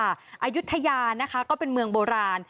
อายุทยานะคะก็เป็นเมืองโบราณ